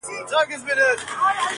• پرون د جنوري پر یوولسمه -